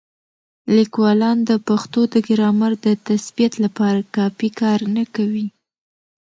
لیکوالان د پښتو د ګرامر د تثبیت لپاره کافي کار نه کوي.